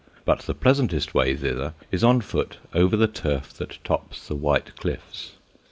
But the pleasantest way thither is on foot over the turf that tops the white cliffs.